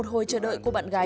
cho con học đại học